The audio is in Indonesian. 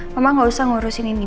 mama gak usah ngurusin ini